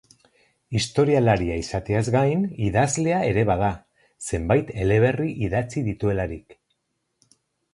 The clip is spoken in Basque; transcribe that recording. Historialaria izateaz gain, idazlea ere bada, zenbait eleberri idatzi dituelarik.